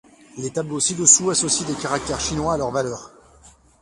Les tableaux ci-dessous associent des caractères chinois à leur valeur.